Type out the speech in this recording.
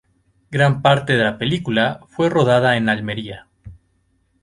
Gran parte de la película fue rodada en Almería.